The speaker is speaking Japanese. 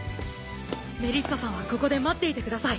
メリッサさんはここで待っていてください。